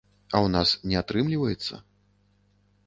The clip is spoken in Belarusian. А ў нас не атрымліваецца.